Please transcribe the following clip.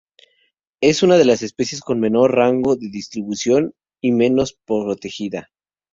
Es una de las especies con menor rango de distribución y menos protegida.